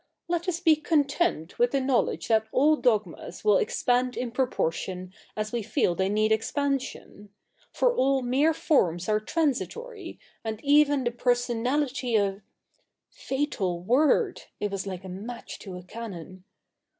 Let us be content with the knowledge that all dogmas will expand in proportion as we feel they need expansion ; for all mere forms are transitory, and even the personality of ' Fatal word ! It was like a match to a cannon.